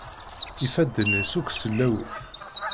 Ifadden-is akk sellawit.